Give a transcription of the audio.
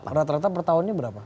berat ratah per tahunnya berapa